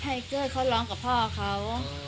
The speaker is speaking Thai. ไทเก้อเค้าร้องกับพ่อเค้า